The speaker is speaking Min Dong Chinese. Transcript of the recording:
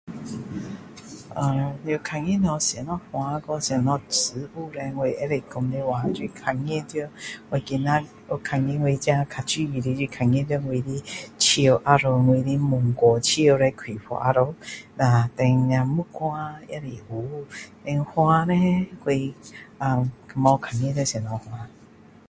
啊你有看过什么花和什么植物叻我可以说的话就是看见到我自己较注意的我自己看见到我的树后面我的芒果树叻开花了胆木瓜也是有 then 花叻啊没看到什么花